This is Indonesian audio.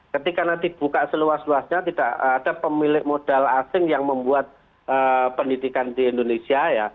ketika nanti buka seluas luasnya tidak ada pemilik modal asing yang membuat pendidikan di indonesia ya